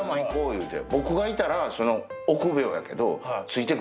言うて。